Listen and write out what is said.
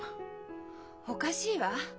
おかしいわ。